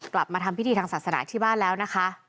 กลับมาทำพิธีทางศาสนาที่บ้านแล้วนะคะ